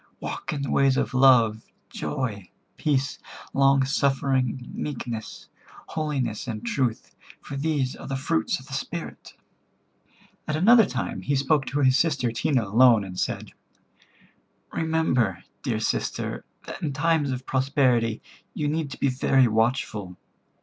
Walk in the ways of love, joy, peace, long suffering, meekness, holiness and truth, for these are the fruits of the Spirit." At another time he spoke to his sister Tena alone, and said: "Remember, dear sister, that in times of prosperity you need to be very watchful.